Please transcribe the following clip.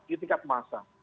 di tingkat masa